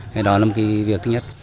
thì đó là một cái việc thứ nhất